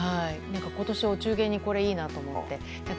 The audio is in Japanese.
今年、お中元にこれいいなと思って。